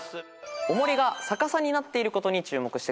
重りが逆さになっていることに注目してください。